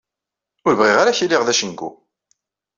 Ur bɣiɣ ara ad k-iliɣ dacengu.